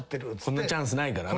こんなチャンスないからな。